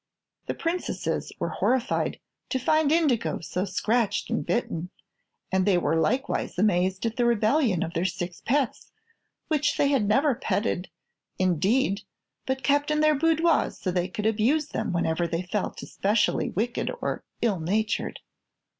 The Princesses were horrified to find Indigo so scratched and bitten, and they were likewise amazed at the rebellion of their six pets, which they had never petted, indeed, but kept in their boudoirs so they could abuse them whenever they felt especially wicked or ill natured.